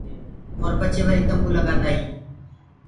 اور پڇي وري مٿي تمبو لگآندآ هينٚ۔